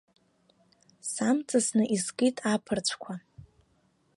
Самҵасны искит аԥырцәқәа.